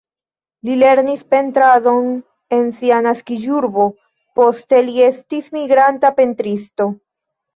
Li lernis pentradon en sia naskiĝurbo, poste li estis migranta pentristo.